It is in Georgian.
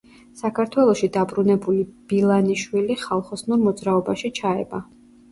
საქართველოში დაბრუნებული ბილანიშვილი ხალხოსნურ მოძრაობაში ჩაება.